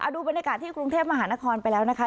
ดูบรรยากาศที่กรุงเทพมหานครไปแล้วนะคะ